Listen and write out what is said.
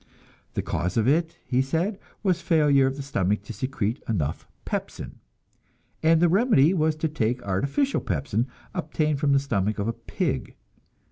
The cause of it, he said, was failure of the stomach to secrete enough pepsin, and the remedy was to take artificial pepsin, obtained from the stomach of a pig.